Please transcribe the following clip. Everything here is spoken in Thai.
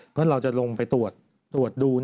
เพราะเราจะลงไปตรวจดู